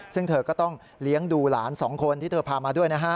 ซึ่งเธอก็ต้องเลี้ยงดูหลาน๒คนที่เธอพามาด้วยนะฮะ